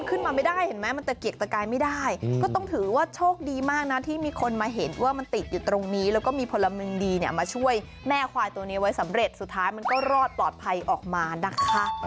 ขึ้นมาไม่ได้เห็นไหมมันตะเกียกตะกายไม่ได้ก็ต้องถือว่าโชคดีมากนะที่มีคนมาเห็นว่ามันติดอยู่ตรงนี้แล้วก็มีพลเมืองดีเนี่ยมาช่วยแม่ควายตัวนี้ไว้สำเร็จสุดท้ายมันก็รอดปลอดภัยออกมานะคะ